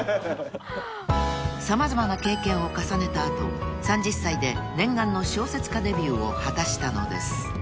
［様々な経験を重ねた後３０歳で念願の小説家デビューを果たしたのです］